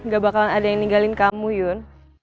gak bakalan ada yang ninggalin kamu yon